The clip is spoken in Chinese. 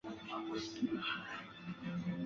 后担任琼州教授。